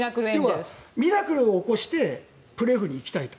要はミラクルを起こしてプレーオフに行きたい。